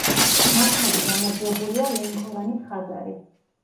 მოქმედი გამარჯვებულია ლენქორანის „ხაზარი“.